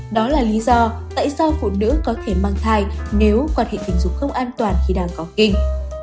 đó là lý do tại sao phụ nữ có thể mang thai nếu quan hệ tình dục không an toàn khi đang có kinh